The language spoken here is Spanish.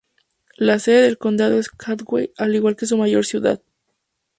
La sede del condado es Caldwell, al igual que su mayor ciudad.